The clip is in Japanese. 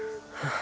あ。